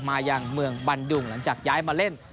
มายังเมืองบันดุงหลังจากย้ายมาเล่น